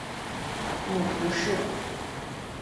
母屠氏。